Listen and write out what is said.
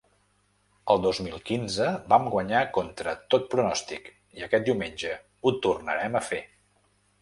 El dos mil quinze vam guanyar contra tot pronòstic i aquest diumenge ho tornarem a fer.